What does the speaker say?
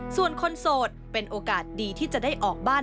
ส่วนคนโสดเป็นโอกาสดีที่จะได้ออกบ้าน